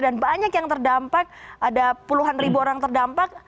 dan banyak yang terdampak ada puluhan ribu orang terdampak